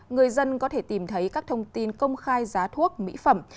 người dân có thể tìm thấy các thông tin công khai giá thuốc mỹ phẩm